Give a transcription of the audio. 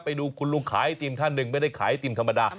ไปดูคุณลุงขายไอติมท่านหนึ่งไม่ได้ขายไอติมธรรมดา